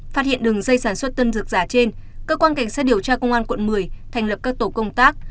phát hiện đường dây sản xuất tân dược giả trên cơ quan cảnh sát điều tra công an quận một mươi thành lập các tổ công tác